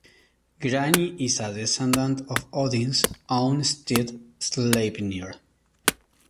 Grani is a descendant of Odin's own steed, Sleipnir.